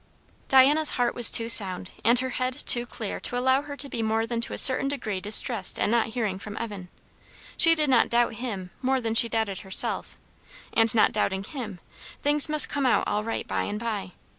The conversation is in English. Diana's heart was too sound and her head too clear to allow her to be more than to a certain degree distressed at not hearing from Evan. She did not doubt him more than she doubted herself; and not doubting him, things must come out all right by and by.